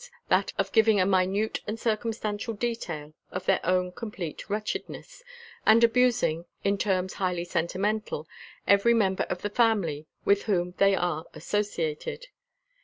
that of giving a minute and circumstantial detail of their own complete wretchedness, and abusing, in terms highly sentimental, every member of the family with whom they are associated.